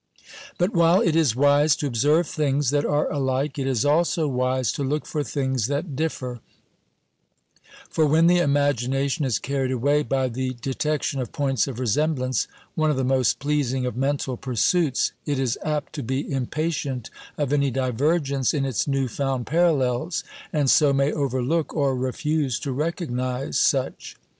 But while it is wise to observe things that are alike, it is also wise to look for things that differ; for when the imagination is carried away by the detection of points of resemblance, one of the most pleasing of mental pursuits, it is apt to be impatient of any divergence in its new found parallels, and so may overlook or refuse to recognize such.